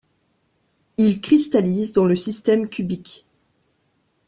Il cristallise dans le système cubique.